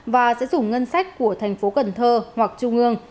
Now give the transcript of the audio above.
và sẽ dùng ngân sách của thành phố cần thơ hoặc trung ương